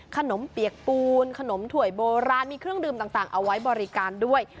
เปียกปูนขนมถ่วยโบราณมีเครื่องดื่มต่างเอาไว้บริการด้วย